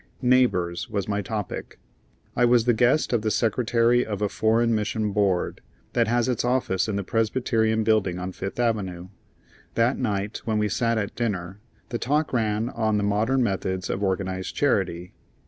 "Neighbors" was my topic. I was the guest of the secretary of a Foreign Mission Board that has its office in the Presbyterian Building on Fifth Avenue. That night when we sat at dinner the talk ran on the modern methods of organized charity.